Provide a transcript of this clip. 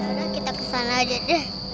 kadang kita kesana aja deh